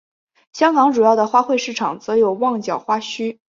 香港主要的花卉市场则有旺角花墟。